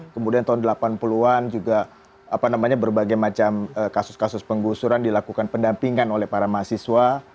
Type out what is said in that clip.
kemudian tahun delapan puluh an juga berbagai macam kasus kasus penggusuran dilakukan pendampingan oleh para mahasiswa